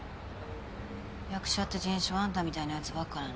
役者って人種はあんたみたいなやつばっかなの？